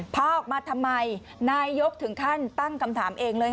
พาออกมาทำไมนายยกถึงขั้นตั้งคำถามเองเลย